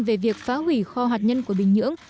về việc phá hủy kho hạt nhân của bình nhưỡng